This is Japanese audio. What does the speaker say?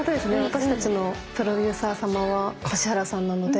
私たちのプロデューサー様は指原さんなので。